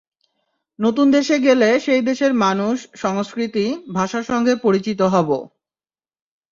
নতুন দেশে গেলে সেই দেশের মানুষ, সংস্কৃতি, ভাষার সঙ্গে পরিচিত হব।